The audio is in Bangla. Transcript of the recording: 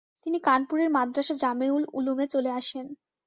তিনি কানপুরের মাদ্রাসা জামেউল উলুমে চলে আসেন।